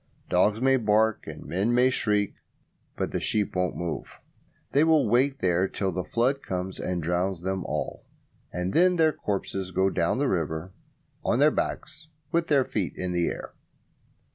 Dogs may bark and men may shriek, but the sheep won't move. They will wait there till the flood comes and drowns them all, and then their corpses go down the river on their backs with their feet in the air.